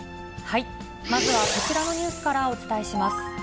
まずはこちらのニュースからお伝えします。